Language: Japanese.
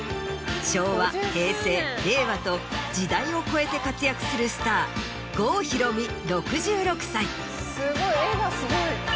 昭和平成令和と時代を超えて活躍するスター郷ひろみ６６歳。